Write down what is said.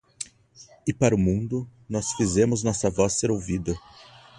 E para o mundo nós fizemos nossa voz ser ouvida